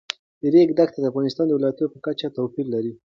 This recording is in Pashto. د ریګ دښتې د افغانستان د ولایاتو په کچه توپیر لري.